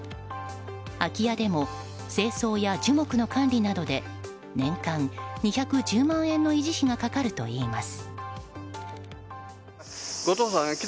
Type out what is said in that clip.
空き家でも清掃や樹木の管理などで年間２１０万円の維持費がかかるといいます。